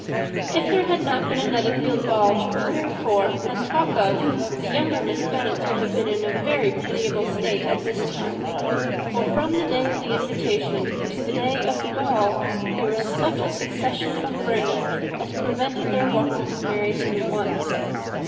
If there had not been a Netherfield ball to prepare for and talk of, the younger Miss Bennets would have been in a pitiable state at this time; for, from the day of the invitation to the day of the ball, there was such a succession of rain as prevented their walking to Meryton once.